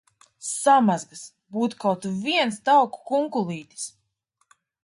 Samazgas! Būtu kaut viens tauku kunkulītis!